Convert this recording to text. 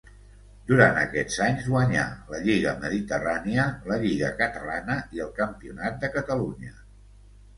Durant aquests anys guanyà la lliga Mediterrània, la lliga Catalana i el Campionat de Catalunya.